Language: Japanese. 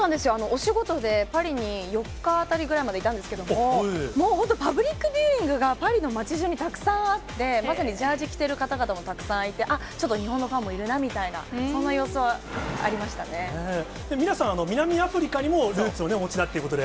お仕事でパリに４日あたりぐらいまでいたんですけれども、もう本当、パブリックビューイングがパリの町じゅうにたくさんあって、まさにジャージ着てる方々もたくさんいて、あっ、ちょっと日本のファンもいるなみたいな、そんな様子はありましたミラさん、南アフリカにもルーツをお持ちだということで。